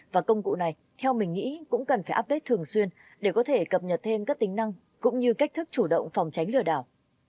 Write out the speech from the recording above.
và công cụ này theo mình nghĩ cũng cần phải update thường xuyên để có thể cập nhật thêm các tính năng cũng như cách thức chủ động phòng tránh lừa đảo